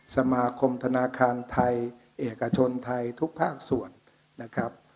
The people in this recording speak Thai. สมาคมธนาคารไทยเอกชนไทยทุกภาคส่วนนะครับ